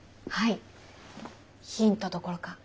ヒントどころか答えが。